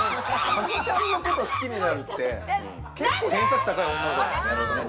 加納ちゃんのこと好きになるって、結構偏差値高い女の子だよ。